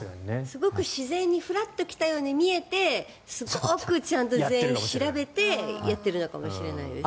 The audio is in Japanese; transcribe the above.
すごく自然にフラッと来たように見えてすごくちゃんと全員調べてやっているのかもしれないですね。